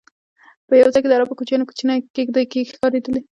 په یو ځای کې د عربو کوچیانو کوچنۍ کېږدی ښکارېدلې.